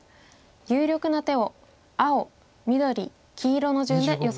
有力な手を青緑黄色の順で予想しています。